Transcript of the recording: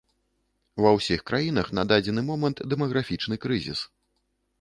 Ва ўсіх краінах на дадзены момант дэмаграфічны крызіс.